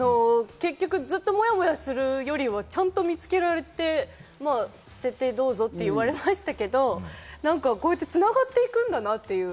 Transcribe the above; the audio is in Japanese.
ずっと、もやもやするよりはちゃんと見つけられて、捨ててどうぞって言われましたけど、繋がっていくんだなっていう。